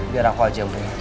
biar aku aja yang pulang